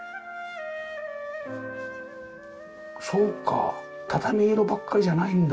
そうか畳色ばっかりじゃないんだ。